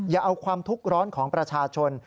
อย่าเอาความทุกข์ร้อนของประชาชน